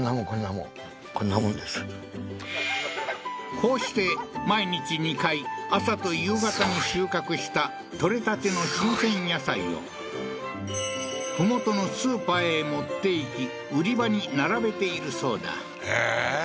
こうして毎日２回朝と夕方に収穫した取れたての新鮮野菜を麓のスーパーへ持っていき売り場に並べているそうだええー？